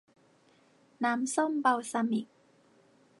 น้ำส้มบัลซามิก